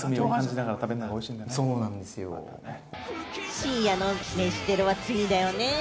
深夜の飯テロは罪だよね。